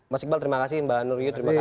mas iqbal terima kasih mbak nuryu terima kasih